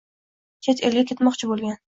— Chet elga ketmoqchi bo‘lgan?